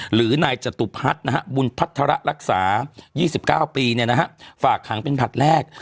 หรือนายจตุพัฒน์บุญพัฒระรักษา๒๙ปีฝากขังเป็นผลัดแรก